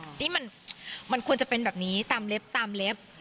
อันนี้มันควรจะเป็นแบบนี้ตามเล็บตามเล็บ